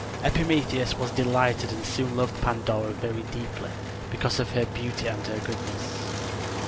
Epimetheus was delighted and soon loved Pandora very deeply, because of her beauty and her goodness.